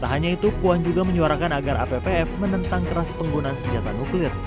tak hanya itu puan juga menyuarakan agar appf menentang keras penggunaan senjata nuklir